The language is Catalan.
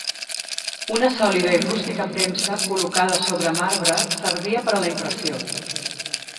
Una sòlida i rústica premsa col·locada sobre marbre servia per a la impressió.